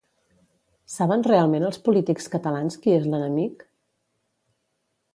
Saben realment els polítics catalans qui és l'enemic?